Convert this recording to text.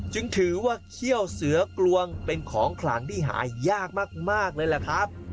จึงถือว่าเขี้ยวเสือกลวงเป็นของขลังที่หายากมากเลยแหละครับ